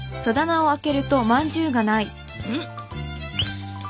うん？